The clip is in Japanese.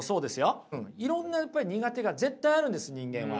いろんなやっぱり苦手が絶対あるんです人間は。